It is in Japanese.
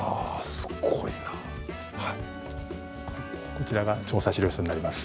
こちらが調査史料室になります。